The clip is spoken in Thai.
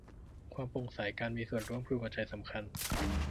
ความโปร่งใส การมีส่วนร่วม คือหัวใจสำคัญ